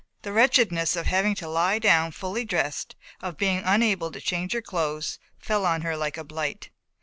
The wretchedness of having to lie down fully dressed, of being unable to change her clothes, fell on her like a blight.